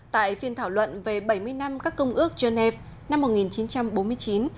tại phiên thảo luận về bảy mươi năm các công ước genève năm một nghìn chín trăm bốn mươi chín hai nghìn một mươi chín